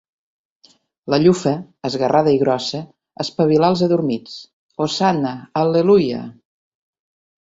La llufa, esgarrada i grossa, espavilà el adormits. Hosanna! Al·leluia!